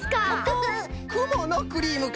くものクリームか。